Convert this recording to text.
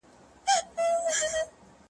زولنې را څخه تښتي کنه راغلم تر زندانه ,